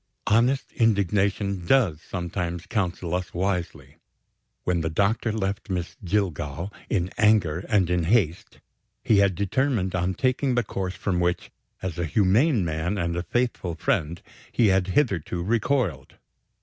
Honest indignation does sometimes counsel us wisely. When the doctor left Miss Jillgall, in anger and in haste, he had determined on taking the course from which, as a humane man and a faithful friend, he had hitherto recoiled.